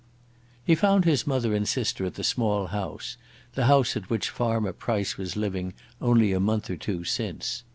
He found his mother and sister at the small house, the house at which Farmer Price was living only a month or two since.